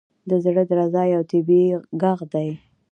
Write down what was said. • د زړه درزا یو طبیعي ږغ دی.